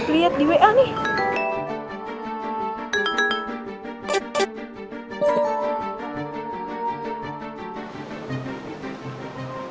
lihat di wa nih